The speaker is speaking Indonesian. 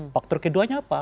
faktor keduanya apa